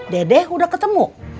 dede udah ketemu